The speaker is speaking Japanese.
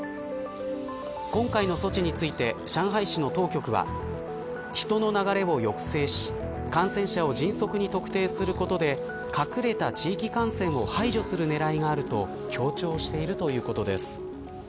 今回の措置について上海市の当局は人の流れを抑制し感染者を迅速に特定することで隠れた地域感染を排除する狙いがあると強調しているということです。